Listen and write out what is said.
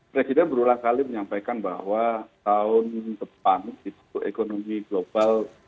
presiden berulang kali menyampaikan bahwa tahun depan itu ekonomi global